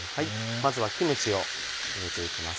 まずはキムチを入れていきます。